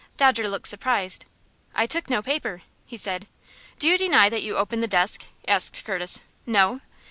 Dodger looked surprised. "I took no paper," he said. "Do you deny that you opened the desk?" asked Curtis. "No."